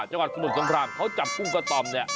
จังหวัดสมุทรสงครามเขาจับกุ้งกระต่อมเนี่ย